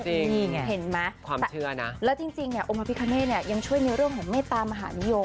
จริงความเชื่อนะและจริงเนี่ยอมภพิฆาเน่ยังช่วยในเรื่องของเมตตามหานิยม